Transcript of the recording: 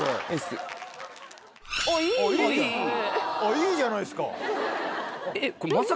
いいじゃないですか。